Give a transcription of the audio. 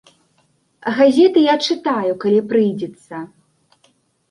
Газеты я чытаю, калі прыйдзецца!